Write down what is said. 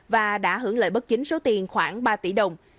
và đã hưởng lợi bất chính số tiền khoảng ba tỷ đồng